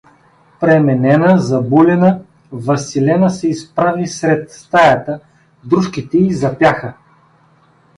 Пременена, забулена, Василена се изправи сред стаята, дружките и запяха.